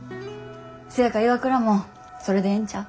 そやから岩倉もそれでええんちゃう。